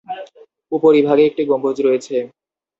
উপরিভাগে একটি গম্বুজ রয়েছে।